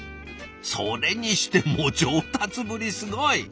それにしても上達ぶりすごい！